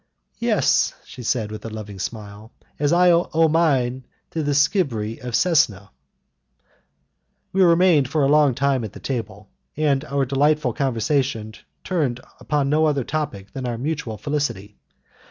"Yes," she said, with a loving smile, "as I owe mine to the sbirri of Cesena." We remained for a long time at the table, and our delightful conversation turned upon no other topic than our mutual felicity.